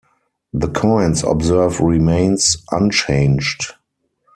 The coin's obverse remains unchanged.